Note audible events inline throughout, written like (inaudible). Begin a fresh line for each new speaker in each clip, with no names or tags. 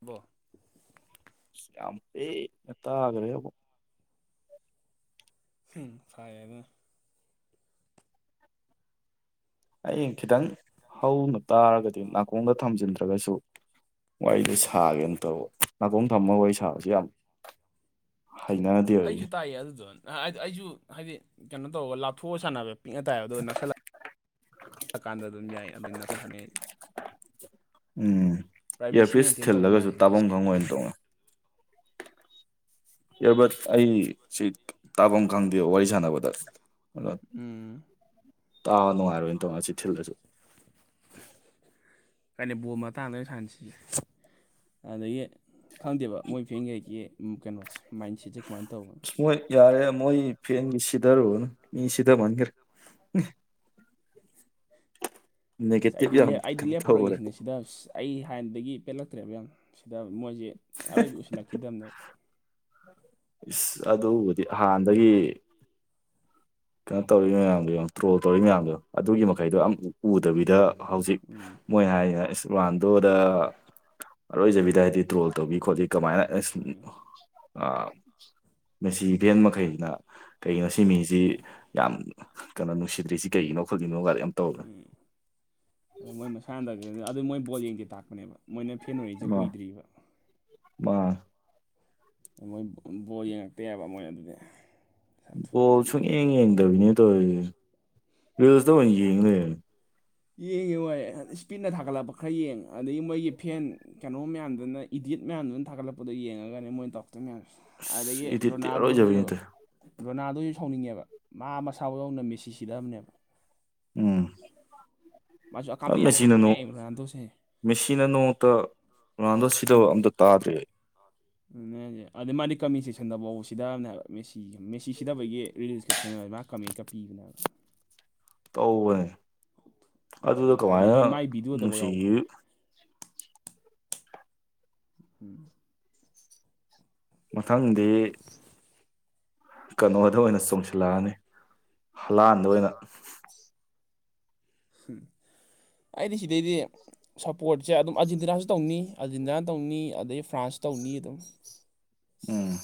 ꯕꯣ
ꯁꯌꯥꯝꯄꯦ ꯅꯠꯇꯒ꯭ꯔꯦꯕ
ꯎꯝ ꯐꯥꯏꯌꯦ ꯑꯗꯨꯅ
ꯍꯌꯦꯡ ꯈꯤꯇꯪ ꯍꯧꯅ ꯇꯥꯔꯒꯗꯤ ꯅꯥꯀꯣꯡꯗ ꯊꯝꯖꯤꯟꯗ꯭ꯔꯒꯁꯨ ꯋꯥꯔꯤꯁꯦ ꯁꯥꯒꯦꯅ ꯇꯧꯕ ꯅꯥꯇꯣꯡ ꯊꯝꯃꯒ ꯋꯥꯔꯤ ꯁꯥꯕꯕꯁꯤ ꯌꯥꯝ ꯍꯩꯅꯗꯦꯕ ꯑꯩ
ꯑꯩꯁꯨ ꯇꯥꯏꯌꯦ ꯑꯗꯨꯗꯣ ꯍꯥꯏꯗꯤ ꯑꯩꯁꯨ ꯍꯥꯏꯗꯤ ꯀꯩꯅꯣ ꯇꯧꯕꯔꯒ ꯂꯥꯞꯊꯣꯛꯑꯒ ꯁꯥꯟꯅꯕ ꯄꯤꯛꯅ ꯇꯥꯏꯑꯕ ꯑꯗꯣ ꯅꯛꯁꯜꯂꯛꯑ ꯆꯠꯀꯥꯟꯗ ꯑꯗꯨꯝ ꯌꯥꯏ ꯑꯗꯨ ꯅꯁꯨ ꯁꯥꯟꯅꯩ
ꯎꯝ
ꯄ꯭ꯔꯥꯏꯚꯦꯁꯤ
ꯏꯌꯥꯔꯄꯤꯤꯁ
ꯃꯦꯟꯇꯦꯟ ꯇꯧꯕ
ꯊꯤꯜꯂꯒꯁꯨ
ꯃꯥꯜꯂꯦ ꯃꯥꯏꯁꯦ
ꯇꯥꯐꯝ ꯈꯪꯉꯣꯏꯅ ꯇꯣꯡꯉ ꯏꯔꯕꯠ ꯑꯩ ꯁꯤ ꯇꯥꯐꯝ ꯈꯪꯗꯦ ꯋꯥꯔꯤ ꯁꯥꯟꯅꯕꯗ ꯑꯗꯣ
ꯎꯝ
ꯇꯥ ꯅꯨꯡꯉꯥꯏꯔꯣꯏꯅ ꯇꯧꯅ ꯆꯤꯊꯤꯜꯗꯁꯨ
ꯀꯩꯅ ꯕꯣꯝ ꯃꯇꯥꯡꯗ ꯑꯣꯏꯅ ꯁꯥꯟꯅꯁꯤꯒꯦ ꯑꯗꯒꯤ ꯈꯪꯗꯦꯕ ꯃꯣꯏ ꯐꯦꯡꯒꯩꯒꯤ ꯀꯩꯅꯣꯁꯦ ꯃꯥꯏꯟ ꯁꯦꯠꯁꯦ ꯀꯃꯥꯏꯅ ꯇꯧꯕꯅꯣ
ꯑ ꯃꯣꯏ ꯌꯥꯔꯦ ꯃꯣꯏ ꯐꯦꯟꯒꯤ ꯁꯤꯊꯔꯨꯨꯔꯅꯨ ꯃꯤ ꯁꯤꯗꯃꯟꯈ꯭ꯔꯦ
ꯑꯁ
ꯅꯦꯒꯦꯇꯤꯞ
ꯑꯩꯗꯤ ꯂ
ꯌꯥꯝ
ꯑꯩꯗꯤ
ꯀꯩꯅꯣ ꯇꯧꯈꯔꯦ
ꯂꯦꯞꯄꯔꯣꯏꯒꯦꯁꯤꯅꯦ ꯁꯤ ꯁꯤꯗ ꯑꯩ ꯍꯥꯟꯅꯗꯒꯤ ꯄꯦꯜꯂꯛꯇ꯭ꯔꯦꯕ ꯌꯥꯝ ꯁꯤꯗ ꯃꯣꯏꯁꯦ ꯑꯔꯣꯏꯕ ꯎꯁꯤꯜꯂꯛꯈꯤꯗꯕꯅꯦꯕ
ꯏꯁ ꯑꯗꯨꯕꯨꯗꯤ ꯍꯥꯟꯅꯗꯒꯤ ꯀꯩꯅꯣ ꯇꯧꯔꯤꯕ ꯃꯌꯥꯝꯗꯣꯉ ꯇꯣ ꯇꯧꯔꯤꯕ ꯃꯌꯥꯝꯗꯣ ꯑꯗꯨꯒꯤ ꯃꯈꯩꯗꯣ ꯎꯗꯕꯤꯗ ꯍꯧꯖꯤꯛ
ꯎꯝ
ꯃꯣꯏ ꯍꯥꯏ ꯑꯁ ꯄꯥꯟꯗꯣꯗ ꯑꯔꯣꯏꯖꯕꯤꯗ ꯍꯥꯏꯗꯤ ꯇ꯭ꯔꯣꯜ ꯇꯧꯕꯤ ꯈꯣꯠꯂꯤ ꯀꯃꯥꯏꯅ ꯑꯁ
ꯎꯝ
ꯃꯁꯤꯁꯤ ꯏꯚꯦꯟ ꯃꯈꯩꯅ ꯀꯩꯒꯤꯣ ꯁꯤꯃꯤꯁꯤ ꯌꯥꯝ ꯀꯩꯅꯣ ꯅꯨꯡꯁꯤꯗ꯭ꯔꯤꯁꯤ ꯀꯩꯒꯤꯅꯣ ꯈꯜꯒꯤꯅꯣ ꯒꯥꯔꯤ ꯌꯥꯝ ꯇꯧꯔꯅꯦ
ꯎꯝ ꯑ ꯃꯣꯏ ꯃꯁꯥꯅꯗ ꯑꯗꯨ ꯃꯣꯏ ꯕꯣꯜ ꯌꯦꯡꯁꯦ ꯇꯥꯛꯄꯅꯦꯕ ꯃꯣꯏꯅ ꯐꯦꯟ ꯑꯣꯏꯔꯤꯁꯦ
ꯃꯥ
ꯀꯨꯏꯗ꯭ꯔꯤꯕ
(unintelligible)
ꯃꯣꯏ ꯕꯣꯜ ꯌꯦꯡꯉꯛꯇꯦꯕ ꯃꯣꯏ ꯑꯗꯨꯗꯤ ꯁꯥꯊꯨ
ꯣꯜ
ꯀꯥꯟꯅꯕ
ꯁꯨꯡꯌꯦꯡ ꯌꯦꯡꯗꯕꯤꯅꯦ ꯇꯧꯔꯤꯁꯦ ꯨꯁꯇ ꯑꯣꯏꯅ ꯌꯦꯡꯂꯡꯦ
ꯌꯦꯡꯉꯦ ꯍꯣꯏ ꯏꯁꯄꯤꯠꯅ ꯊꯥꯒꯠꯂꯛꯄ ꯈꯔ ꯌꯦꯡꯉ ꯑꯗꯒꯤ ꯃꯣꯏꯒꯤ ꯐꯦꯟ ꯀꯩꯅꯣ ꯃꯌꯥꯝꯗꯨꯅ ꯏꯗꯤꯠ ꯃꯌꯥꯝꯗꯨꯅ ꯊꯥꯒꯠꯂꯛꯄꯗ ꯌꯦꯡꯉꯒꯅꯦ ꯃꯣꯏꯅ ꯇꯧꯔꯛꯇꯣꯏ ꯃꯌꯥꯝꯁꯦ ꯑꯗꯒꯤ
ꯑꯁ ꯏꯗꯤꯠꯇꯤ
ꯔꯣꯅꯥꯜꯗꯣꯁꯤꯁꯨ
ꯑꯔꯣꯏꯖꯕꯤꯅꯤ ꯇꯧꯏ
ꯔꯣꯅꯥꯜꯗꯣꯁꯨ ꯁꯥꯎꯅꯤꯡꯉꯦꯕ ꯃꯥ ꯃꯁꯥꯎꯗꯧꯅ ꯃꯦꯁꯤ ꯁꯤꯗꯕꯅꯦꯕ
ꯎꯝ
ꯃꯥꯁꯨ ꯑꯀꯥꯝꯄꯩ ꯌꯥꯝ
ꯃꯦꯁꯤꯟꯅꯣ
ꯉꯥꯡꯕꯅꯦ ꯔꯣꯅꯥꯜꯗꯣꯁꯦ
ꯃꯦꯁꯤꯅꯅꯣꯇ ꯔꯣꯅꯥꯜꯗꯣ ꯁꯤꯗ ꯑꯝꯇ ꯇꯥꯗ꯭ꯔꯦ
ꯑ ꯑꯗꯨ ꯑꯗꯩ ꯃꯥꯗꯤ ꯀꯃꯤ ꯆꯁꯟꯗꯐꯧ ꯁꯤꯗꯅꯦꯕ ꯃꯦꯁꯤꯒ ꯃꯦꯁꯤ ꯁꯤꯗꯕꯒꯤ ꯔꯤꯜꯁꯀ ꯊꯦꯡꯅꯔꯦ ꯃꯥ ꯀꯃꯤꯀ ꯄꯤꯕꯅꯦꯅꯕ
ꯇꯧꯕꯅꯦ ꯑꯗꯨꯗ
ꯊꯨꯗ.
ꯀꯃꯥꯏꯅ
ꯑꯗꯒꯤ ꯃꯥꯏ ꯚꯤꯗꯤꯑꯣꯗꯐꯥꯎ
ꯅꯨꯡꯁꯤ
ꯌꯥꯎꯕꯅꯦ ꯎꯝ
ꯃꯊꯪꯗꯤ ꯀꯩꯅꯣꯗ ꯑꯣꯏꯅ ꯆꯣꯡꯁꯤꯜꯂꯛꯑꯅꯤ ꯍꯂꯥꯟꯕ ꯑꯣꯏꯅ
ꯎꯝ ꯑꯩꯗꯤ ꯁꯤꯗꯩꯗꯤ ꯁꯞꯄꯣꯔꯠꯁꯦ ꯑꯗꯨꯝ ꯑꯥꯔꯖꯦꯟꯇꯤꯅꯥꯁꯨ ꯇꯧꯅꯤ ꯑꯥꯔꯖꯦꯟꯇꯤꯅꯥ ꯇꯧꯅꯤ ꯑꯗꯩ ꯐ꯭ꯔꯥꯟꯁ ꯇꯧꯅꯤ ꯑꯗꯨꯝ
ꯎꯝ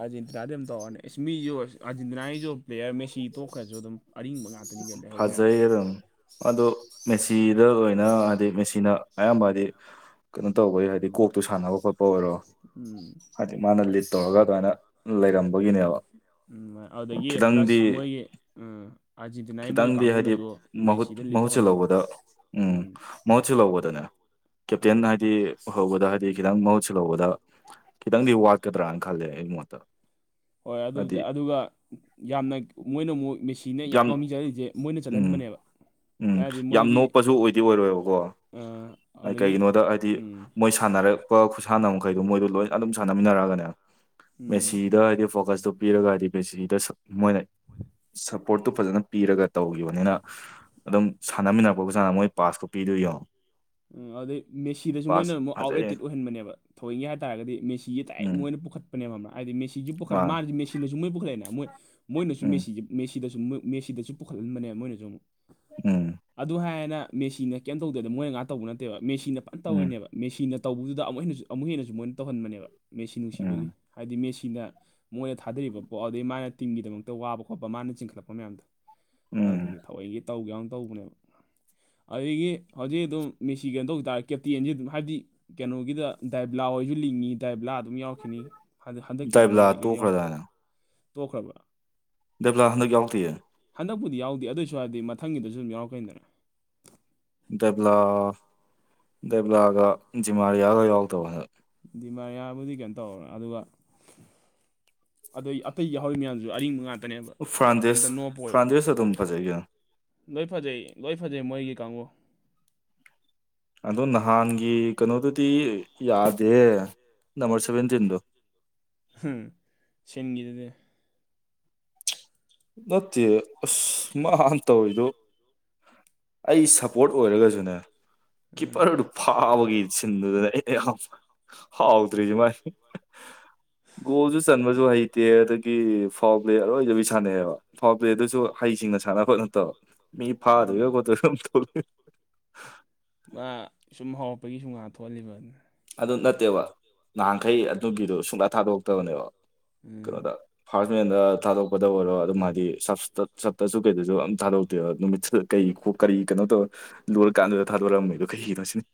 ꯑꯥꯔꯖꯦꯟꯇꯤꯅꯥꯗꯤ ꯑꯗꯨꯝ ꯇꯧꯔꯅꯤ ꯑꯦꯁꯃꯤꯁꯨ ꯑꯥꯔꯖꯦꯟꯇꯤꯅꯥꯒꯤꯁꯨ ꯄ꯭ꯂꯦꯌꯔ ꯃꯦꯁꯤ ꯇꯣꯛꯈ꯭ꯔꯁꯨ ꯑꯗꯨꯝ ꯑꯔꯤꯡꯕ ꯉꯥꯛꯇꯅꯤꯒ ꯂꯩꯍꯕꯣꯏ ꯃꯌꯥꯝꯁꯦ
ꯑꯗꯨꯗꯣ ꯃꯦꯆꯤꯗ ꯑꯣꯏꯅ ꯍꯥꯏꯗꯤ ꯃꯦꯆꯤꯅ ꯑꯌꯥꯝꯕ ꯍꯥꯏꯗꯤ ꯀꯩꯅꯣ ꯇꯧꯕꯩ ꯍꯥꯏꯗꯤ
ꯎꯝ
ꯀꯣꯛꯇꯨ ꯁꯥꯟꯅꯕ ꯈꯣꯠꯄ ꯑꯣꯏꯔꯣ
ꯎꯝ
ꯍꯥꯏꯗꯤ ꯃꯥꯅ ꯂꯤꯠ ꯇꯧꯔꯒ ꯑꯗꯨꯃꯥꯏꯅ ꯂꯩꯔꯝꯕꯒꯤꯅꯦꯕ
ꯎ ꯑꯗꯒꯤ ꯄ꯭ꯂꯁ
ꯈꯤꯇꯪꯗꯤ
ꯃꯣꯏꯒꯤ ꯑꯥꯖꯤꯇꯅꯥꯒꯤ ꯃꯣꯏꯒꯤ
ꯈꯤꯇꯪꯗꯤ ꯍꯥꯏꯗꯤ
ꯀꯥꯡꯒꯕꯨꯅꯁꯨ
ꯃꯍꯨꯠ
ꯃꯦꯁꯤꯗ ꯂꯤꯠ
ꯃꯍꯨꯠ
ꯇꯧꯍꯟꯅꯤꯡꯉꯤ
ꯁꯤꯜꯍꯧꯕꯗ
ꯎꯝ
ꯃꯍꯨꯠ ꯁꯤꯟꯍꯧꯕꯗꯨꯅꯦ ꯀꯦꯞꯇꯦꯟ
ꯎꯝ
ꯍꯥꯏꯗꯤ ꯍꯧꯕꯗ ꯍꯥꯏꯗꯤ ꯈꯤꯇꯪ ꯃꯍꯨꯠ ꯁꯤꯜꯍꯧꯒꯗꯧꯕ ꯈꯤꯇꯪꯗꯤ ꯋꯥꯠꯀꯗ꯭ꯔꯥꯅ ꯈꯜꯂꯦ ꯑꯩꯒꯤ ꯃꯣꯠꯇ
ꯍꯣꯏ
ꯍꯥꯏꯗꯤ
ꯑꯗꯨꯕꯨꯗꯤ ꯑꯗꯨꯒ ꯌꯥꯝꯅ ꯃꯣꯏꯅ ꯑꯃꯨꯛ ꯃꯦꯁꯤꯅ ꯌꯥꯝ ꯃꯃꯤꯡ ꯆꯠꯔꯤꯁꯦ ꯃꯣꯏꯅ
ꯎꯝ
ꯆꯠꯍꯟꯕꯅꯦꯕ
ꯎꯝ
ꯍꯥꯏꯗꯤ
ꯌꯥꯝ
ꯃꯣꯏꯒꯤ
ꯅꯣꯞꯄꯁꯨ ꯑꯣꯏꯗꯤ ꯑꯣꯏꯔꯣꯏꯕꯀꯣ
ꯑꯗꯒꯤ
ꯀꯩꯒꯤꯅꯣꯗ ꯍꯥꯏꯗꯤ
ꯎꯝ
ꯃꯣꯏ ꯁꯥꯟꯅꯔꯛꯄ ꯈꯨꯠꯁꯥꯟꯅ ꯃꯈꯩꯗꯣ ꯃꯣꯏꯗꯣ ꯂꯣꯏ ꯑꯗꯨꯝ ꯁꯥꯟꯅꯃꯤꯟꯅꯔꯛꯑꯒꯅꯦ
ꯎꯝ
ꯃꯦꯁꯤꯗꯥꯗꯤ ꯐꯣꯀꯁ ꯇ ꯄꯤꯔꯒ ꯍꯥꯏꯗꯤ ꯕꯦꯁꯤꯗ ꯃꯣꯏꯅ ꯁꯞꯄꯣꯔꯠꯇꯨ ꯐꯖꯅ ꯄꯤꯔꯒ ꯇꯧꯈꯤꯕꯅꯤꯅ ꯑꯗꯨꯝ ꯁꯥꯟꯅꯃꯤꯟꯅꯛꯄꯕꯨꯖꯥꯅ ꯃꯣꯏ ꯄꯥꯁꯀ ꯄꯤꯗꯣꯏꯌꯣ
ꯎ ꯑꯗꯩ ꯃꯦꯁꯤꯗꯁꯨ ꯃꯣꯏꯅ ꯑꯃꯨꯛ
ꯐꯖꯩ
ꯑꯥꯎꯠꯂꯦꯇꯦꯠ ꯑꯣꯏꯍꯟꯕꯅꯦꯕ ꯊꯣꯡꯏꯒꯦ ꯍꯥꯏꯇꯥꯔꯒꯗꯤ ꯃꯦꯁꯤꯁꯦ ꯇꯗꯥꯏꯦꯛ
ꯎꯝ
ꯃꯣꯏꯅ ꯄꯨꯈꯠ ꯅꯦꯕ ꯑꯃ ꯍꯥꯏꯗꯤ ꯃꯦꯁꯤ ꯄꯨꯈꯠ
ꯃꯥ
ꯃꯥꯦ ꯃꯦꯁꯤꯅꯁꯨ ꯃꯣꯏ ꯄꯨꯈꯠꯛꯑꯦꯅ ꯃꯣꯏ ꯃꯣꯏꯅꯁꯨ
ꯎꯝ
ꯃꯦꯁꯤꯦ ꯃꯦꯁꯤꯗꯁꯨꯣꯏ ꯃꯦꯁꯤꯗꯁꯨ ꯄꯨꯈꯠꯍꯟꯕꯅꯦ ꯃꯣꯏꯅꯁꯨ ꯑꯃꯨꯛ
ꯎꯝ
ꯑꯗꯨ ꯍꯥꯏꯔꯋꯦꯅ ꯃꯦꯆꯤꯟꯅ ꯀꯩꯝ ꯇꯧꯗꯕ ꯅꯠꯇꯦꯕ ꯃꯣꯏꯅ ꯉꯥꯛ ꯇꯧꯕ ꯅꯠꯇꯦꯕ ꯃꯦꯁꯤꯟꯅ ꯐꯖꯅ
ꯎꯝ
ꯇꯧꯋꯤꯅꯦꯕ ꯃꯦꯁꯤꯅ ꯇꯧꯕꯗꯨꯗ ꯑꯃꯨꯛ ꯍꯦꯟꯅꯁꯨ ꯑꯃꯨꯛ ꯍꯦꯟꯅꯁꯨ ꯃꯣꯏꯅ ꯇꯧꯍꯟꯕꯅꯦꯕ ꯃꯦꯁꯤ ꯅꯨꯡꯁꯤꯕꯒꯤ
ꯎꯝ
ꯍꯥꯏꯗꯤ ꯃꯦꯁꯤꯅ ꯃꯣꯏꯅ ꯊꯥꯗꯔꯤꯕ ꯄꯣꯠ ꯑꯗꯨꯗꯩ ꯃꯥꯅ ꯇꯤꯝꯒꯤꯗꯃꯛꯇ ꯋꯥꯕ ꯈꯣꯠꯄ ꯃꯥꯅ ꯆꯤꯡꯈꯠꯂꯛꯄ ꯃꯌꯥꯝꯗꯣ
ꯎꯝ
ꯑꯗꯨꯗꯒꯤ ꯊꯑꯣꯏꯒꯤ ꯇꯧꯒꯦ ꯌꯥꯎꯅ ꯇꯧꯕꯅꯦꯕ ꯑꯗꯒꯤ ꯍꯧꯖꯤꯛ ꯑꯗꯨꯝ ꯃꯤꯁꯤ ꯀꯩꯅꯣ ꯇꯧꯈꯤ ꯇꯥꯔꯗꯤ ꯀꯦꯞꯇꯦꯟꯁꯤ ꯑꯗꯨꯝ ꯍꯥꯏꯗꯤ ꯀꯩꯅꯣꯒꯤꯗ ꯗꯥꯏꯕꯂꯥ ꯍꯣꯏꯁꯨ ꯂꯤꯡꯉꯤ ꯗꯥꯥꯏꯕꯂꯥ ꯑꯗꯨꯝ ꯌꯥꯎꯔꯈꯤꯅꯤꯗ ꯍꯟꯗꯛꯀꯤꯗꯤ ꯃꯥ
ꯗꯥꯏꯕꯂꯥ
ꯀꯩꯅꯣ
ꯇꯣꯛꯈ꯭ꯔꯗꯥꯅ
ꯇꯣꯛꯈ꯭ꯔꯕ꯭ꯔ
ꯗꯦꯕꯂꯥ ꯍꯟꯗꯛ ꯌꯥꯎꯗꯦꯌꯦ
ꯍꯟꯗꯛꯄꯨꯗꯤ ꯌꯥꯎꯗꯦ ꯑꯗꯨ ꯑꯣꯏꯁꯨ ꯍꯥꯏꯔꯗꯤ ꯃꯊꯪꯒꯤꯗꯁꯨ ꯑꯗꯨꯝ ꯌꯥꯎꯛꯀꯅꯤꯗꯅ
ꯗꯦꯕꯂꯥ ꯗꯦꯕꯂꯥꯒ ꯗꯤꯃꯥꯔꯤꯌꯥꯒ ꯌꯥꯎꯗꯕ ꯍꯥꯟꯗꯥꯛ
ꯗꯤꯃꯥꯔꯤꯌꯥꯕꯨꯗꯤ ꯀꯩꯅꯣ ꯇꯧꯔꯦ ꯑꯗꯨꯒ ꯑꯗꯩ ꯑꯇꯩ ꯌꯥꯎꯍꯧꯔꯤ ꯃꯌꯥꯝꯁꯨ ꯑꯔꯤꯡꯕ ꯉꯥꯛꯇꯅꯦꯕ
ꯐ꯭ꯔꯥꯟꯗꯦꯁ
ꯀꯩꯝꯇ ꯅꯣꯞꯄꯣꯏꯕ
ꯐ꯭ꯔꯥꯟꯗꯦꯁ ꯑꯗꯨꯝ ꯐꯖꯩ ꯀꯩꯅꯣ
ꯂꯣꯏ ꯐꯖꯩ ꯂꯣꯏ ꯐꯖꯩ ꯃꯣꯏꯒꯤ ꯀꯥꯡꯕꯨ
ꯑꯗꯣ ꯅꯍꯥꯟꯒꯤ ꯀꯩꯅꯣꯗꯨꯗꯤ ꯌꯥꯗꯦꯌꯦ ꯅꯝꯕꯔ ꯁꯚꯦꯟꯇꯤꯟꯗꯣ
ꯎꯝ ꯁꯤꯟꯒꯔꯤꯗꯨꯗꯤ
ꯅꯠꯇꯦ ꯑꯁ ꯃꯥꯅ ꯇꯧꯔꯤꯗꯨ ꯑꯩ ꯁꯞꯄꯣꯠ ꯑꯣꯏꯔꯒꯁꯨꯅꯦ
ꯑ
ꯀꯤꯞꯄꯔ ꯗꯨ ꯐꯥꯕꯒꯤ ꯁꯤꯟꯗꯨꯗꯅꯦ ꯑꯩ ꯌꯥꯝ ꯍꯥꯎꯇꯔꯤꯁꯦ ꯃꯥꯥꯏ ꯒꯣꯜꯁꯨ ꯆꯟꯕꯁꯨ ꯍꯩꯇꯦ ꯑꯗꯒꯤ ꯐꯥꯎꯗꯤ ꯑꯔꯣꯏꯕꯤ ꯑꯦꯕ ꯐꯥꯎꯟ ꯗꯨꯁꯨ ꯍꯩꯁꯤꯡꯅ ꯁꯥꯅ ꯈꯣꯠꯄ ꯅꯠꯇꯕ ꯃꯤ ꯐꯥꯗꯣꯏꯔꯥ
ꯎꯝ
ꯈꯣꯠꯇꯣꯏ
ꯃꯥ ꯁꯨꯝ ꯍꯧꯔꯛꯄꯒꯤ ꯁꯨꯨꯝ ꯉꯥꯛ ꯊꯣꯛꯍꯜꯂꯤꯕ ꯍꯥꯢꯗꯨꯅꯤ
ꯑꯗꯨ ꯅꯠꯇꯦꯕ ꯅꯍꯥꯟꯈꯩ ꯑꯗꯨꯒꯤꯗꯣ ꯁꯨꯡꯊꯥ ꯊꯥꯗꯣꯛꯇꯕꯅꯦꯕ
ꯎꯝ
ꯀꯩꯅꯣꯗ ꯐꯥꯁꯢ ꯃꯦꯟꯗ ꯊꯥꯗꯣꯛꯄꯗ ꯑꯣꯏꯔꯣ ꯑꯗꯨꯝ ꯍꯥꯏꯗꯤ ꯁ ꯁꯞꯇꯁꯨ ꯀꯩꯗꯁꯨ ꯑꯗꯨꯝ ꯊꯥꯗꯣꯛꯇꯦꯕ ꯅꯨꯃꯤꯠ ꯀꯩ ꯀꯔꯤ ꯀꯩꯅꯣ ꯇꯧꯔ ꯂꯣꯏꯔ ꯀꯥꯟꯗꯨꯗ ꯊꯥꯗꯣꯔꯛꯑꯝꯃꯦꯗꯣ ꯀꯩꯒꯤꯅꯣ ꯁꯤꯅꯤ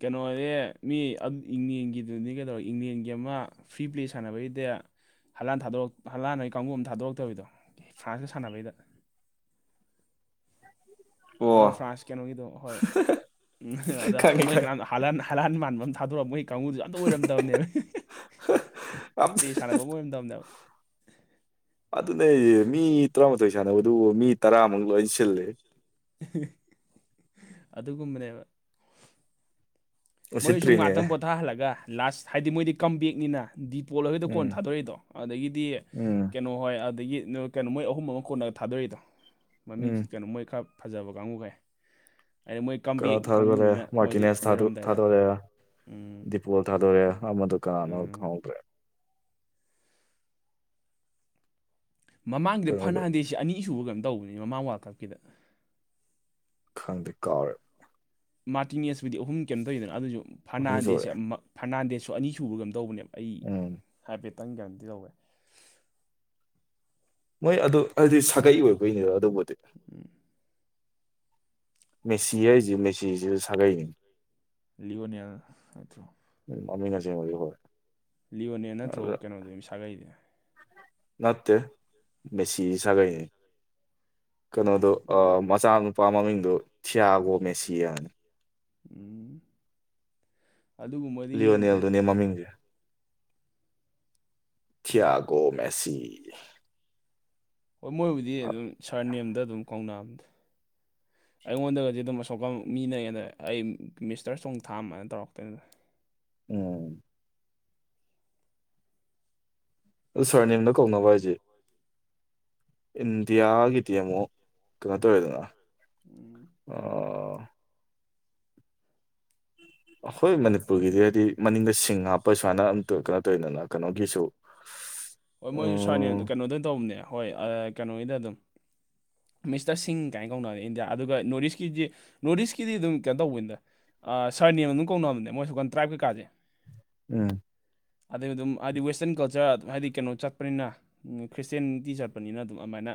ꯀꯩꯅꯣꯅꯦ ꯃꯤ ꯑꯗꯨ ꯏꯪꯂꯦꯟꯒꯤꯗꯨꯅꯤ ꯀꯩꯗꯧꯔꯦ ꯏꯪꯂꯦꯟꯒꯤ ꯑꯃ ꯐ꯭ꯔꯤ ꯄ꯭ꯂꯦ ꯁꯥꯟꯅꯕꯩꯗ ꯍꯜꯂꯥꯟ ꯊꯥꯗꯣꯔ ꯍꯂꯥꯟ ꯍꯣꯏ ꯀꯥꯡꯕꯨ ꯑꯃ ꯊꯥꯗꯣꯔꯛꯇꯕꯗꯣ ꯐꯥꯔꯁꯇ ꯁꯥꯟꯅꯕꯩꯗ
ꯑꯣ
ꯑꯃ ꯐ꯭ꯔꯥꯟꯁ ꯀꯩꯅꯣꯒꯤꯗꯣ ꯍꯣꯏ ꯎꯝ ꯑꯗ
ꯈꯪꯉꯤ
ꯃꯣꯏ
ꯈꯪꯉꯤ
ꯀꯅꯥꯝ ꯍꯂꯥꯜ ꯍꯂꯥꯜ ꯃꯥꯟꯕ ꯑꯃ ꯊꯥꯗꯣꯔꯛꯑ ꯃꯣꯏ ꯀꯥꯡꯕꯨꯨꯗꯨꯁꯨ ꯑꯝꯇ ꯑꯣꯏꯔꯝꯗꯕꯅꯦꯕ
ꯑꯝꯇ
ꯄ꯭ꯂꯦ ꯁꯥꯟꯅꯕ ꯑꯃ ꯑꯣꯏꯔꯝꯗꯕꯅꯦꯕ
ꯑꯗꯨꯅꯦ ꯃꯤ ꯇꯔꯥꯃꯥꯊꯣꯏ ꯁꯥꯟꯅꯕꯗꯨꯕꯨ ꯃꯤ ꯇꯔꯥꯃꯨꯛ ꯂꯣꯏ ꯁꯤꯜꯂꯦ
ꯑꯗꯨꯒꯨꯝꯕꯅꯦꯕ ꯃꯣꯏꯅ ꯁꯨꯨꯝ
ꯎꯁꯤꯠꯇ꯭ꯔꯤꯅꯦ
ꯉꯥꯏꯍꯥꯛꯇꯪ ꯄꯣꯊꯥꯍꯜꯂꯒ ꯂꯥꯁ ꯍꯥꯏꯗꯤ ꯃꯣꯏꯗꯤ ꯀꯝꯕꯦꯛꯅꯤꯅ ꯗꯤꯄꯣꯜ ꯍꯣꯏꯗ
ꯎꯝ
ꯀꯣꯟꯅ ꯊꯥꯗꯣꯔꯛꯏꯗꯣ ꯑꯗꯒꯤꯗꯤ
ꯎꯝ
ꯀꯩꯅꯣ ꯍꯣꯏ ꯑꯗꯒꯤ ꯀꯩꯅꯣ ꯃꯣꯏ ꯑꯍꯨꯝ ꯑꯃ ꯀꯣꯟꯅ ꯊꯥꯗꯣꯔꯛꯏꯗꯣ ꯃꯃꯤꯡ
ꯎꯝ
ꯀꯩꯅꯣ ꯃꯣꯏ ꯈꯔ ꯐꯖꯕ ꯀꯥꯡꯕꯨꯈꯩ ꯍꯥꯏꯗꯤ ꯃꯣꯏ
ꯀꯩꯅꯣ
ꯀꯝꯕꯦꯛ
ꯊꯥꯗꯣꯔꯛꯑꯦ
ꯀꯥꯡꯕꯨꯨꯅꯤꯅ ꯃꯣꯏꯗꯤ
ꯃꯥꯔꯇꯤꯅꯦꯁ ꯊꯥꯗꯣꯛ
ꯂꯣꯏꯔꯝꯗꯥꯏꯗ ꯎꯝ
ꯗꯤꯄꯣꯜ ꯊꯥꯗꯣꯛꯌꯦ ꯑꯃꯗꯨ ꯀꯥꯅꯦꯅꯣ
ꯎꯝ
ꯈꯪꯍꯧꯗ꯭ꯔꯦ
ꯃꯃꯥꯡꯒꯤꯗ
ꯀꯩꯅꯣꯗꯣ
ꯐꯔꯅꯥꯟꯗꯦꯁꯁꯦ ꯑꯅꯤ ꯑꯁꯨꯕ ꯀꯩꯅꯝ ꯇꯧꯕꯅꯤ ꯃꯃꯥꯡ ꯋꯥꯔꯜ ꯀꯞꯀꯤꯗ
ꯈꯪꯗꯤ ꯀꯥꯎꯔꯦꯕ
ꯃꯥꯔꯇꯤꯅꯦꯁꯄꯨꯗꯤ ꯑꯍꯨꯝ ꯀꯩꯝ ꯇꯧꯔꯤꯗꯅ ꯑꯗꯨꯁꯨ
ꯑꯍꯨꯝ
ꯐꯔꯅꯥꯟꯗꯦꯁꯦ
ꯁꯨꯔꯦ
ꯐꯔꯅꯥꯟꯗꯦꯁꯁꯨ ꯑꯅꯤ ꯁꯨꯕ ꯀꯝ ꯇꯧꯕꯅꯦꯕ ꯑꯩ
ꯎꯝ
ꯍꯥꯏꯐꯦꯠꯇꯪ ꯒꯦꯔꯟꯇꯤ ꯂꯧꯋꯦ
ꯃꯣꯏ ꯑꯗꯨ ꯍꯥꯏꯗꯤ ꯁꯥꯒꯩ ꯑꯣꯏꯕꯩꯅꯤꯗ ꯑꯗꯨꯕꯨꯗꯤ ꯃꯦꯁꯤ ꯍꯥꯏ ꯃꯦꯁꯤꯁꯤꯁꯨ ꯁꯒꯥꯏ
ꯂꯤꯑꯣꯅꯦꯜ ꯑꯗꯨꯔꯣ
ꯎꯝ ꯃꯃꯤꯡ ꯑꯁꯦꯡꯕꯒꯤ ꯍꯣꯏ
ꯂꯤꯌꯣꯅꯦꯟ ꯅꯠꯇ꯭ꯔꯣ
ꯑꯗ
ꯀꯩꯅꯣꯗꯣ ꯁꯥꯒꯩꯗꯤ
ꯅꯠꯇꯦ ꯃꯦꯁꯤ ꯁꯥꯒꯩꯅꯤ ꯀꯩꯅꯣꯗꯣ ꯃꯆꯥ ꯅꯨꯄꯥ ꯃꯃꯤꯡꯗꯣ ꯊꯤꯌꯥꯒꯣ ꯃꯦꯁꯤ
ꯎꯝ ꯑꯗꯨꯒꯨꯝꯕꯗꯤ ꯌꯦꯡꯗ꯭ꯔꯦꯗ
ꯂꯤꯌꯣꯅꯦꯜꯗꯨꯅꯦ ꯃꯃꯤꯡꯁꯦ ꯊꯤꯌꯥꯒꯣ ꯃꯦꯁꯤ
ꯍꯣꯏ ꯃꯣꯏꯕꯨꯗꯤ ꯑꯗꯨꯝ ꯁꯥꯔ ꯅꯦꯝꯗ ꯑꯗꯨꯝ ꯀꯧꯅꯥ ꯑꯝꯗ ꯑꯩꯉꯣꯟꯗꯒꯗꯤ ꯑꯗꯨꯝ ꯑꯁꯣꯛꯀ ꯃꯤꯅꯩ ꯑꯗ ꯑꯩ ꯃꯤꯁꯇꯔ ꯆꯣꯡꯊꯥꯝꯅ ꯇꯧꯔꯛꯇꯣꯏꯅꯤꯗ
ꯎꯝ ꯑꯗ ꯁꯥꯔ ꯅꯦꯝꯗ ꯀꯧꯅꯕ ꯍꯥꯏꯁꯦ ꯏꯟꯗꯤꯌꯥꯒꯤꯗꯤ ꯑꯃꯨꯛ ꯀꯩꯅꯣ ꯇꯧꯋꯦꯗꯅ
ꯎꯝ
ꯑ ꯑꯩꯈꯣꯏ ꯃꯅꯤꯄꯨꯔꯒꯤꯗꯤ ꯍꯥꯏꯗꯤ ꯃꯅꯤꯡꯗ ꯁꯤꯡ ꯍꯥꯥꯞ ꯄꯩꯁꯥꯅ ꯑꯝꯇ ꯀꯃꯥꯏ ꯇꯧꯔꯤꯅꯣ ꯀꯩꯅꯣꯒꯤꯁꯨ
ꯍꯣꯏ ꯃꯣꯏꯁꯨ ꯁꯥꯔꯅꯦ
ꯎꯝ
ꯀꯩꯅꯣꯗ ꯇꯧꯕꯅꯦ ꯍꯣꯏ ꯀꯩꯅꯣꯒꯤꯗ ꯑꯗꯨꯝ ꯃꯤꯁꯇꯔ ꯁꯤꯡ ꯀꯥꯏꯅ ꯀꯧꯅꯅꯦ ꯏꯟꯗꯤꯌꯥ ꯑꯗꯨꯒ ꯅꯣꯔꯠ ꯏꯁꯀꯤꯗꯤ ꯅꯣꯔꯠ ꯏꯁꯀꯤꯗꯤ ꯑꯗꯨꯝ ꯀꯩꯅꯣ ꯇꯧꯕꯅꯤꯗ ꯑ ꯁꯥꯔ ꯅꯦꯝ ꯑꯗꯨꯝ ꯀꯧꯅꯕꯅꯦ ꯃꯣꯏ ꯑꯁꯣꯝꯀꯥꯟ ꯇ꯭ꯔꯥꯏꯞ ꯀꯩꯀꯥꯁꯦ
ꯎꯝ
ꯑꯗꯩ ꯑꯗꯨꯝ ꯍꯥꯏꯗꯤ ꯋꯦꯁꯇꯔꯟ ꯀꯜꯆꯔ ꯍꯥꯏꯗꯤ ꯀꯩꯅꯣ ꯆꯠꯄꯅꯤꯅ ꯈ꯭ꯔꯤꯁꯇꯤꯌꯥꯅꯤꯇꯤ ꯆꯠꯄꯅꯤꯅ ꯑꯗꯨꯝ ꯑꯗꯨꯃꯥꯏꯅ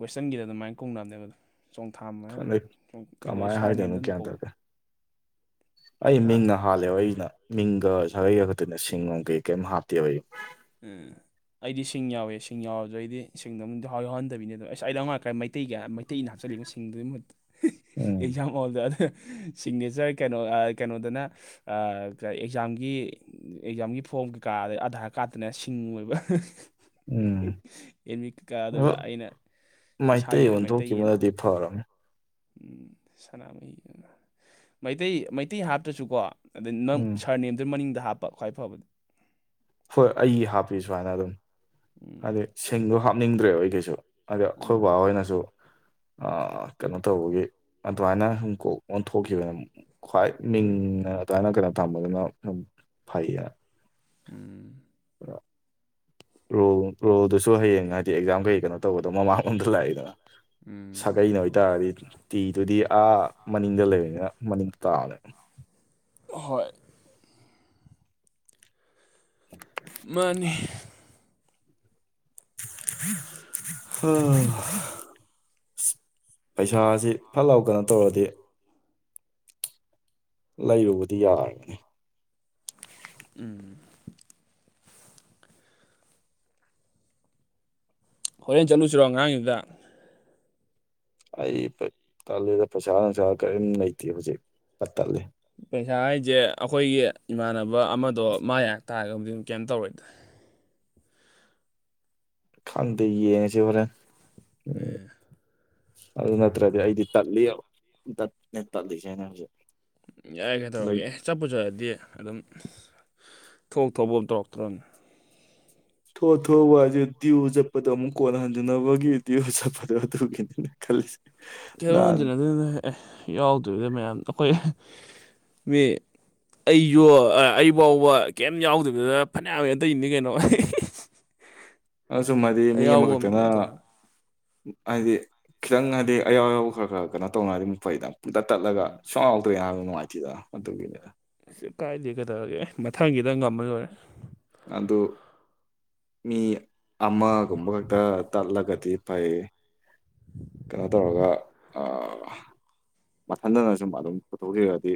ꯋꯦꯁꯇꯔꯟꯒꯤꯗ ꯑꯗꯨꯃꯥꯏꯅ ꯀꯣꯡꯅꯕꯅꯦꯕ ꯑꯗꯨꯣ ꯆꯣꯡꯊꯥꯝ ꯍꯥꯏ
ꯈꯪꯗꯦ
ꯑꯩꯉꯣꯟ
ꯀꯃꯥꯏꯅ
ꯁꯥꯔ
ꯍꯥꯏꯗꯣꯏꯅꯣ
ꯅꯦꯝꯗ ꯑꯗꯨꯝ
ꯒ꯭ꯌꯥꯟ ꯇꯥꯗꯦ
ꯀꯧꯕꯅꯤ
ꯑꯩ ꯃꯤꯡꯒ ꯍꯥꯜꯂꯦꯕ ꯑꯩꯒꯤꯁꯤꯅ ꯃꯤꯡꯒ ꯁꯥꯒꯩꯒ ꯈꯛꯇꯅ ꯁꯤꯡ ꯅꯨꯡ ꯀꯩ ꯀꯩꯝ ꯍꯥꯞꯇꯦ ꯑꯩꯒꯤ
ꯎꯝ ꯑꯩꯗꯤ ꯁꯤꯡ ꯌꯥꯎꯏꯦ ꯁꯤꯡ ꯌꯥꯎꯔꯁꯨ ꯑꯩꯗꯤ ꯁꯤꯡꯗꯣꯨꯝ ꯌꯥꯎꯍꯗꯕꯤꯅꯦꯗꯣ ꯑꯁ ꯑꯩꯗ ꯉꯥꯏꯀꯥꯏ ꯃꯩꯇꯩꯒꯤ ꯑꯩꯇꯩꯅ ꯍꯥꯞꯆꯤꯜꯂꯤꯂꯤꯕꯁꯤꯡꯗꯨ
ꯎꯝ
ꯑꯦꯛꯖꯥꯝ ꯍꯣꯜꯗ ꯑꯗ ꯁꯤꯒꯅꯦꯆꯔ ꯀꯩꯅꯣ ꯀꯩꯅꯣꯗꯅ ꯑꯦꯛꯖꯥꯝꯒꯤ ꯑꯦꯛꯖꯥꯝꯒꯤ ꯐꯣꯔꯝ ꯀꯩꯀꯥ ꯑꯗꯩ ꯑꯙꯥ ꯀꯥꯇꯅ ꯁꯤꯡ ꯑꯣꯏꯕ
ꯎꯝ
ꯑꯦꯟꯃꯤꯠ ꯀꯀꯥ ꯑꯗꯨꯒ
ꯑꯗꯣ
ꯑꯩꯅ
ꯃꯩꯇꯩ
ꯏꯁꯥꯒꯤꯅ ꯃꯩꯇꯩꯑꯅ
ꯑꯣꯟꯊꯣꯛꯈꯤꯕꯅꯗꯤ ꯐꯔꯃꯦ
ꯎꯝ ꯁꯅꯥꯃꯍꯤꯗꯨꯅ ꯃꯩꯇꯩ ꯃꯩꯇꯩ ꯍꯥꯞꯇ꯭ꯔꯁꯨꯀꯣ ꯑꯗꯩ ꯅꯪ
ꯎꯝ
ꯁꯥꯔ ꯅꯦꯝꯗꯨ ꯃꯅꯤꯡꯗ ꯍꯥꯞꯄ ꯈ꯭ꯋꯥꯏ ꯐꯕꯗꯤ
ꯍꯣꯏ ꯑꯩ ꯍꯥꯞꯄꯤ ꯁꯨꯃꯥꯏꯅ ꯑꯗꯨꯝ ꯍꯥꯏꯗꯗꯤ ꯁꯤꯡꯗꯣ ꯍꯥꯞꯅꯤꯡꯗ꯭ꯔꯦꯕ ꯑꯩꯒꯤꯁꯨ ꯑꯗ ꯑꯩꯈꯣꯏ
ꯎꯝ
ꯕꯕꯥ ꯍꯣꯏꯅꯁꯨ ꯑ ꯀꯩꯅꯣ ꯇꯧꯕꯒꯤ ꯑꯗꯨꯃꯥꯏꯅ ꯍꯨꯝꯀꯣꯛ ꯑꯣꯟꯊꯣꯛꯈꯤꯕꯅ ꯈ꯭ꯋꯥꯏ ꯃꯤꯡ
ꯎꯝ
ꯑꯗꯨꯃꯥꯏꯅ ꯀꯩꯅꯣ ꯊꯝꯕꯗꯨꯅ ꯑꯗꯨꯝ ꯐꯩꯌꯦ
ꯎꯝ
ꯔꯣ ꯔꯣꯜꯗꯨꯁꯨ ꯍꯌꯦꯡ ꯍꯥꯏꯗꯤ ꯑꯦꯛꯖꯥꯝ ꯀꯩ ꯀꯩꯅꯣ ꯇꯧꯕꯒꯗꯣ ꯃꯃꯥꯡꯂꯣꯝꯗ ꯂꯥꯛꯏꯗꯅ
ꯎꯝ
ꯁꯥꯒꯩꯅꯣ ꯑꯣꯏꯇꯥꯔꯗꯤ ꯇꯤꯗꯨꯗꯤ ꯑꯥ ꯃꯅꯤꯡꯗ ꯂꯩꯕꯅꯤꯅ ꯃꯅꯤꯡ ꯇꯥꯕꯅꯦ
ꯍꯣꯏ ꯃꯥꯅꯤ
ꯄꯩꯁꯥꯁꯤ ꯐꯠ ꯂꯥꯎ ꯀꯩꯅꯣ ꯇꯧꯔꯗꯤ ꯂꯩꯕꯕꯨꯗꯤ ꯌꯥꯔꯕꯅꯤ
ꯎꯝ ꯍꯣꯔꯦꯟ ꯆꯠꯂꯨꯁꯤꯔꯣ ꯑꯉꯥꯡꯒꯤꯗꯨꯗ
ꯑꯩ ꯇꯜꯂꯤꯗ ꯄꯩꯁꯥ ꯅꯨꯡꯁꯥ ꯀꯔꯤꯝ ꯂꯩꯇꯦ ꯍꯧꯖꯤꯛ ꯄꯠ ꯇꯠꯂꯦ
ꯄꯩꯁꯥ ꯍꯥꯏꯁꯦ ꯑꯩꯈꯣꯏꯒꯤ ꯏꯃꯥꯟꯅꯕ ꯑꯃꯗꯣ ꯃꯥ ꯌꯥ ꯇꯥꯔꯒꯕꯨꯗꯤ ꯀꯩꯝꯇ ꯇꯧꯔꯣꯏꯗꯦ
ꯈꯪꯗꯦ ꯌꯦꯡꯉꯁꯤ ꯍꯣꯔꯦꯟ
ꯑꯦ
ꯑꯗꯨ ꯅꯠꯇ꯭ꯔꯗꯤ ꯑꯩꯗꯤ ꯇꯜꯂꯤ ꯇꯜꯂꯤꯁꯦꯅꯦ ꯍꯧꯖꯤꯛ
ꯌꯥꯏ ꯀꯩ ꯇꯧꯔꯒꯦ
ꯂꯩ
ꯑꯦ ꯆꯠꯄꯨ ꯆꯠꯂꯗꯤ ꯑꯗꯨꯝ ꯊꯣꯛ ꯊꯣꯛꯄ ꯑꯃ ꯇꯧꯔꯛꯇ꯭ꯔꯣꯅꯦ
ꯊꯣ ꯊꯣ ꯋꯥ ꯑꯗꯨ ꯗꯤꯎ ꯆꯠꯄꯗꯣ ꯑꯃꯨꯛ ꯀꯣꯟ ꯍꯟꯖꯅꯕꯒꯤ ꯗꯤꯎ ꯆꯠꯄꯗꯣ ꯇꯗꯨꯈꯤꯗꯅ ꯈꯜꯂꯤꯁꯦ
ꯈꯩꯗꯣꯛ
ꯅꯍꯥꯟ
ꯍꯟꯗꯅ ꯑꯗꯨꯅ ꯑꯦ ꯌꯥꯎꯗꯕꯤꯗ ꯃꯌꯥꯝ ꯑꯩꯈꯣꯏ ꯃꯤ ꯑꯩꯁꯨ ꯑꯩ ꯐꯥꯎꯕ ꯀꯩꯝ ꯌꯥꯎꯗꯕꯤꯗ ꯐꯅꯌꯥꯝ ꯍ ꯑꯇꯩꯅꯤ ꯀꯩꯅꯣ ꯑꯩ
ꯑꯁꯨꯝ ꯍꯥꯏꯗꯤ ꯃꯤ
ꯑꯌꯥꯎꯕ ꯑꯃ
ꯑꯃꯈꯛꯇꯅ
ꯑꯗꯨꯃꯥꯏꯅ ꯇꯧꯅ
ꯍꯥꯏꯗꯤ ꯈꯤꯇꯪ ꯍꯥꯏꯗꯤ ꯑꯌꯥꯎ ꯑꯌꯥꯎꯕ ꯈꯔ ꯈꯔ ꯀꯩꯅꯣ ꯇꯧꯅꯔꯗꯤ ꯑꯃꯨꯛ ꯐꯩꯗ ꯄꯨꯡꯇꯠ ꯇꯠꯂꯒ ꯁꯥꯎꯟꯗꯣ ꯌꯥꯝ ꯅꯨꯡꯉꯥꯏꯇꯦꯗꯅ ꯑꯗꯨꯒꯤꯅꯦꯗ
ꯀꯩꯁꯨ ꯀꯥꯏꯗꯦ ꯀꯩꯗꯧꯔꯒꯦ ꯑꯦ ꯃꯊꯪꯒꯤꯗꯪ ꯉꯝꯃ ꯂꯣꯏꯔꯦ
ꯑꯗꯨ ꯃꯤ ꯑꯃꯒꯨꯝꯕ ꯈꯛꯇ ꯇꯠꯂꯒꯗꯤ ꯐꯩ ꯀꯩꯅꯣ ꯇꯧꯔꯒ ꯑꯥ ꯃꯊꯟꯇꯅ ꯁꯨꯝ ꯑꯗꯨꯝ ꯄꯨꯊꯣꯛꯂꯩꯔꯗꯤ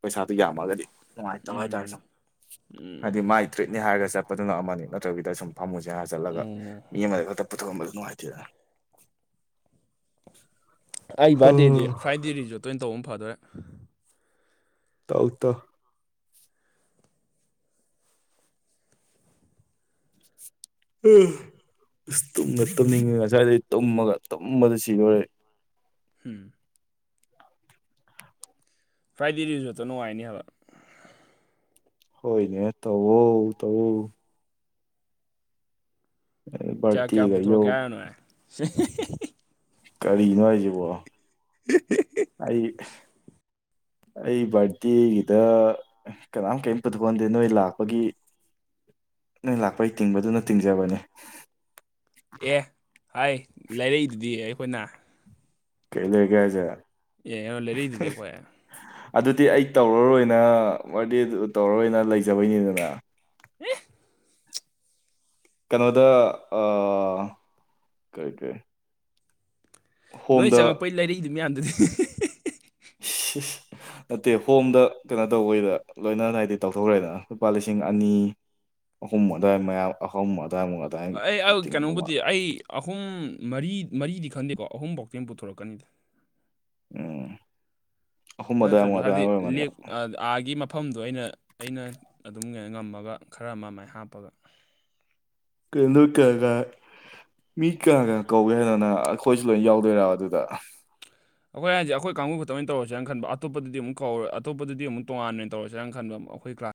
ꯄꯩꯁꯥꯗꯨ ꯌꯥꯝꯃꯒꯗꯤ ꯅꯨꯡꯉꯥꯏꯇꯕ ꯍꯥꯏꯇꯥꯔꯦ
ꯎꯝ
ꯁꯨꯝ
ꯎꯝ
ꯍꯥꯏꯗꯤ ꯃꯥꯏ ꯇ꯭ꯔꯤꯠꯅꯦ ꯍꯥꯏꯔꯒ ꯆꯠꯄꯗꯨꯅ ꯑꯃꯅꯤ ꯅꯠꯇꯕꯤꯗ ꯁꯨꯝ ꯐꯥꯃꯨꯁꯦ ꯍꯥꯏꯔꯒ ꯆꯠꯂꯒ
ꯎꯝ
ꯃꯤ ꯑꯃꯗ ꯈꯛꯇ ꯄꯨꯊꯣꯛꯑꯝꯕꯗꯨ ꯅꯨꯡꯉꯥꯏꯇꯦꯅ
ꯑꯩ ꯕꯔꯗꯦꯗꯤ ꯐ꯭ꯔꯥꯏꯗꯦ ꯔꯤꯖꯣꯔꯇ ꯑꯣꯏꯅ ꯇꯧꯕꯅ ꯐꯗꯣꯔꯦ
ꯇꯧ ꯇꯧ ꯎꯝ ꯑꯁ ꯇꯨꯝꯅ ꯇꯨꯝꯅꯤꯡꯉꯦ ꯉꯁꯥꯏꯗꯩ ꯇꯨꯝꯃꯒ ꯇꯨꯝꯕꯗ ꯁꯤꯗꯧꯔꯦ
ꯍꯝ ꯐ꯭ꯔꯥꯏꯗꯦ ꯔꯤꯖꯔꯇꯇꯣ ꯅꯨꯡꯉꯥꯏꯅꯤ ꯍꯥꯏꯕ
ꯍꯣꯏꯅꯦ ꯇꯧꯌꯣ ꯇꯧꯌꯣ
ꯀꯌꯥ ꯀꯌꯥ
ꯕꯥꯔꯗꯦꯒ ꯌꯧ
ꯄꯨꯊꯣꯛꯔꯛꯀꯦ ꯍꯥꯏꯅꯣ ꯅꯣꯏ
ꯀꯔꯤꯅꯣ ꯍꯥꯏꯁꯤꯕꯣ ꯑꯩ ꯑꯩ ꯕꯔꯗꯦꯒꯤꯗ ꯀꯅꯥꯝ ꯀꯔꯤꯝ ꯄꯨꯊꯣꯛꯟꯗꯦ ꯅꯣꯏ ꯂꯥꯛꯄꯒꯤ ꯅꯣꯏ ꯂꯥꯛꯄꯩ ꯇꯤꯡꯕꯗꯨꯅ ꯇꯤꯡꯖꯕꯅꯤ
ꯑꯦ ꯍꯥꯏ ꯂꯩꯔꯛꯏꯗꯨꯗꯤ ꯑꯩꯈꯣꯏꯅ
ꯀꯩ ꯂꯩꯔꯛꯀꯦ ꯍꯥꯏꯖꯦ
ꯑꯦ (unintelligible) ꯂꯩꯔꯛꯏꯗꯨꯗꯤ ꯑꯩꯈꯣꯏ
ꯑꯗꯨꯗꯤ ꯑꯩ ꯇꯧꯔꯔꯣꯏꯅ ꯕꯔꯗꯦꯗꯣ ꯑꯗꯨ ꯇꯧꯔꯔꯣꯏꯅ ꯂꯩꯖꯕꯩꯅꯤꯗꯅ
INAUDIBLE
ꯀꯩꯅꯣꯗ ꯑꯥ ꯀꯩ ꯀꯩ
ꯅꯣꯏ ꯆꯪꯉꯛꯄꯩ ꯂꯩꯥꯏꯔꯛꯏꯗꯨ ꯃꯌꯥꯝꯗꯨꯗꯤ
(inaudible) ꯅꯠꯇꯦ ꯍꯣꯝꯗ ꯀꯩꯅꯣ ꯇꯧꯕꯩꯗ ꯂꯣꯏꯅꯅ ꯍꯥꯏꯗꯤ ꯇꯧꯊꯣꯛꯈ꯭ꯔꯦꯗꯅ ꯂꯨꯄꯥ ꯂꯤꯁꯤꯡ ꯑꯅꯤ ꯑꯍꯨꯝ ꯑꯗꯨꯋꯥꯏ ꯃꯌꯥꯝ ꯃꯍꯨꯝ
ꯑꯩ ꯑꯥ ꯀꯩꯅꯣꯕꯨꯗꯤ ꯑꯩ ꯑꯍꯨꯝ ꯃꯔꯤ ꯃꯔꯤꯗꯤ ꯈꯟꯗꯦꯀꯣ ꯑꯍꯨꯝꯕꯧꯇꯤ ꯑꯗꯨꯝ ꯄꯨꯊꯣꯔꯛꯀꯅꯤꯗ
ꯎꯝ ꯑꯍꯨꯝ ꯑꯗꯨꯋꯥꯏꯃꯨꯛ
ꯅꯠꯇ꯭ꯔꯁꯨ
ꯑꯗꯨꯋꯥꯏ
ꯍꯥꯏꯕꯗꯤ
ꯑꯣꯏꯔꯝꯒꯅꯦ
ꯂꯦꯛ ꯑ- ꯑꯥꯒꯤ ꯃꯐꯝꯗꯣ ꯑꯩꯅ ꯑꯩꯅ ꯑꯗꯨꯝ ꯉꯝꯃꯒ ꯈꯔ ꯑꯃ ꯃꯥꯏ ꯍꯥꯞꯄꯒ
ꯀꯗꯨ ꯀꯒ ꯃꯤ ꯀꯌꯥ ꯀꯌꯥ ꯀꯧꯏꯦ ꯍꯥꯏꯗꯅ ꯑꯩꯈꯣꯏꯁꯨ ꯂꯣꯏꯅ ꯌꯥꯎꯗꯣꯏꯔ ꯑꯗꯨꯗ
ꯑꯩꯈꯣꯏ ꯍꯥꯏꯁꯦ ꯑꯩꯈ ꯀꯥꯡꯕꯨ ꯈꯛꯇ ꯑꯣꯏꯅ ꯇꯧꯔꯦꯅ ꯈꯟ ꯑꯇꯞꯄꯗꯤ ꯑꯃꯨ ꯀꯧꯔ ꯑꯇꯣꯞꯄꯗꯤ ꯑꯃꯛ ꯇꯣꯉꯥꯟꯕ ꯑꯣꯏꯅ ꯇꯧꯔꯦꯔꯅ ꯈꯟꯕ ꯑꯩꯈꯣꯏ ꯀ꯭ꯂꯥꯁ